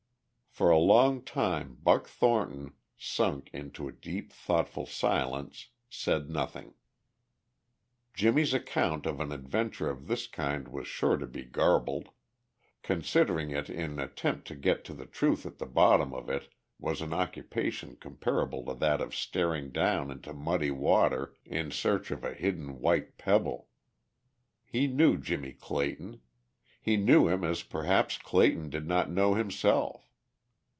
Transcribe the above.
For a long time Buck Thornton, sunk into a deep, thoughtful silence, said nothing. Jimmie's account of an adventure of this kind was sure to be garbled; considering it in an attempt to get to the truth at the bottom of it was an occupation comparable to that of staring down into muddy water in search of a hidden white pebble. He knew Jimmie Clayton. He knew him as perhaps Clayton did not know himself.